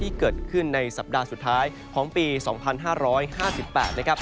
ที่เกิดขึ้นในสัปดาห์สุดท้ายของปี๒๕๕๘นะครับ